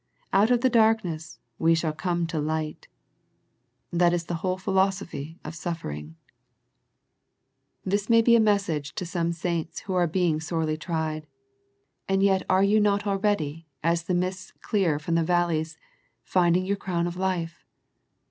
Out of the dark ness we shall come to light. That is the whole philosophy of suffering. 74 A First Century Message This may be a message to some saints who are being sorely tried. And yet are you not already, as the mists clear from the valleys, finding your crown of life?